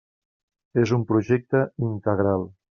És un projecte integral.